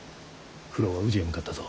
九郎は宇治へ向かったぞ。